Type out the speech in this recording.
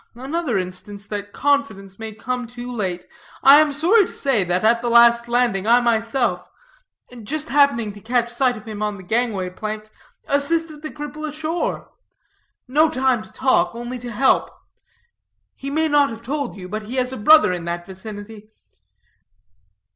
"Another instance that confidence may come too late. I am sorry to say that at the last landing I myself just happening to catch sight of him on the gangway plank assisted the cripple ashore. No time to talk, only to help. He may not have told you, but he has a brother in that vicinity.